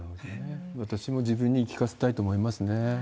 私も自分に言い聞かせたいなと思いますね。